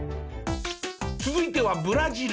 続いてはブラジル。